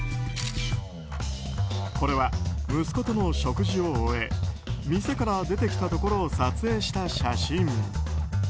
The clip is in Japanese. これは息子との食事を終え店から出てきたところを撮影した写真。